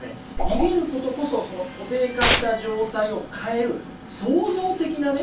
逃げることこそその固定化した状態を変える創造的なね